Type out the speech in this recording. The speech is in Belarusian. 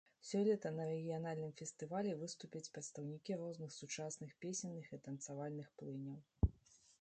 Сёлета на рэгіянальным фестывалі выступяць прадстаўнікі розных сучасных песенных і танцавальных плыняў.